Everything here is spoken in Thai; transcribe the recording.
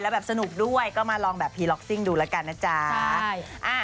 แบบสนุกด้วยก็มาลองแบบพีล็อกซิ่งดูแล้วกันนะจ๊ะ